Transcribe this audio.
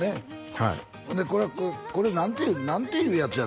はいほんでこれは何ていうやつやの？